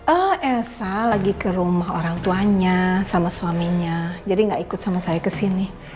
eh esa lagi ke rumah orang tuanya sama suaminya jadi nggak ikut sama saya kesini